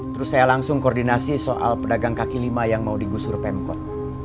terus saya langsung koordinasi soal pedagang kaki lima yang mau digusur pemkot